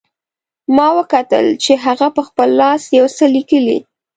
ما وکتل چې هغه په خپل لاس یو څه لیکي